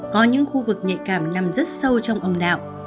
có những khu vực nhạy cảm nằm rất sâu trong ông đạo